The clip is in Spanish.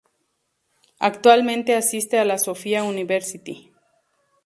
Actualmente asiste a la "Sophia University".